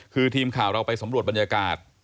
คือทีมข่าวเราไปสำรวจบรรยากาศ